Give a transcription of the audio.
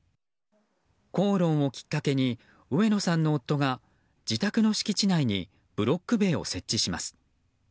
口論をきっかけに上野さんの夫が自宅の敷地内にブロック塀を設置します。